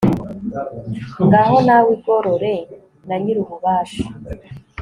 ngaho nawe igorore na nyir'ububasha